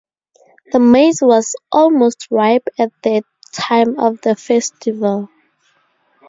The maize was almost ripe at the time of the festival.